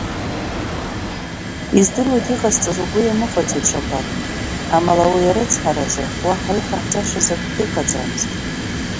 Издыруеит иҟасҵаз угәы иамыхәаӡеит Шабаҭ, амала уи арыцҳазы уаҳа иҟаҳҵаша акагьы ыҟаӡамызт…